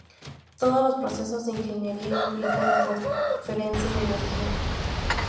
Todos los procesos de ingeniería implican la transferencia de energía.